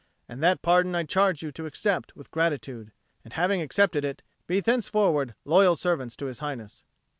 And that pardon I charge you to accept with gratitude, and, having accepted it, be thenceforward loyal servants to His Highness."